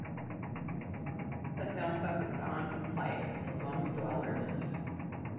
The film focussed on the plight of slum-dwellers.